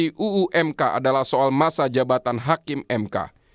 di uumk adalah soal masa jabatan hakim mk